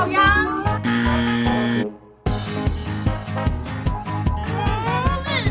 ว้าว